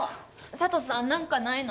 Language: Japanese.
佐都さん何かないの？